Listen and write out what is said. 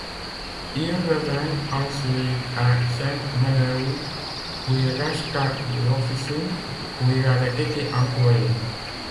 Il revint ensuite à Sainte-Menehould, où il racheta l'officine où il avait été employé.